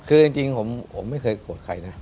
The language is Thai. คือจริงผมไม่เคยโกรธใครนะ